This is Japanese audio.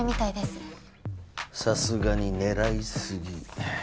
「さすがに狙い過ぎ」